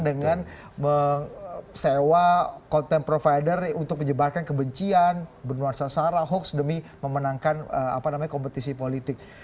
dengan menyewa konten provider untuk menyebarkan kebencian bernuansa sara hoax demi memenangkan kompetisi politik